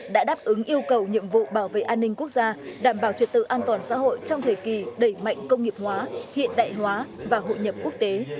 đã đáp ứng yêu cầu nhiệm vụ bảo vệ an ninh quốc gia đảm bảo trật tự an toàn xã hội trong thời kỳ đẩy mạnh công nghiệp hóa hiện đại hóa và hội nhập quốc tế